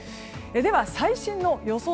では最新の予想